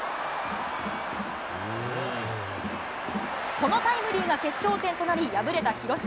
このタイムリーが決勝点となり、敗れた広島。